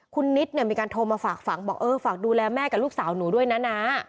คุณนิดเนี่ยมีการโทรมาฝากฝังบอกเออฝากดูแลแม่กับลูกสาวหนูด้วยนะ